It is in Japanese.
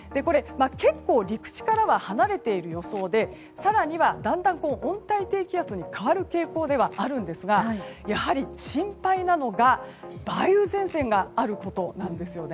結構陸地からは離れている予想で更には、だんだんと温帯低気圧に変わる傾向ではあるんですがやはり心配なのが梅雨前線があることなんです。